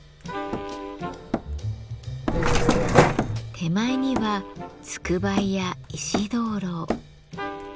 手前には「つくばい」や「石灯籠」。